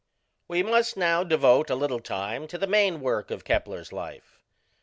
We must now devote a little time to the main work of Kepler's life.